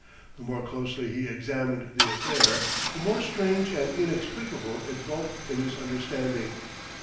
The more closely he examined the affair, the more strange and inexplicable it bulked in his understanding.